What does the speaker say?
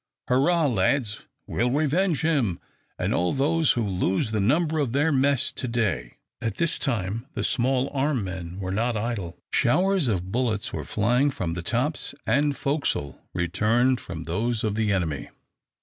Hurrah, lads! we'll revenge him, and all those who lose the number of their mess to day!" All this time the small arm men were not idle. Showers of bullets were flying from the tops and forecastle, returned from those of the enemy.